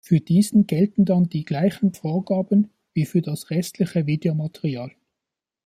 Für diesen gelten dann die gleichen Vorgaben wie für das restliche Videomaterial.